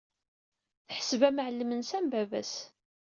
Teḥseb amɛellem-nnes am baba-s.